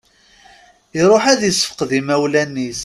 Iruḥ ad issefqed imawlan-is.